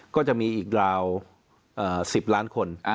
ก็จะมีอีกราว๑๐ล้านคน